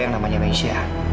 yang namanya mesia